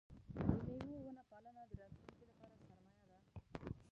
د مېوو ونه پالنه د راتلونکي لپاره سرمایه ده.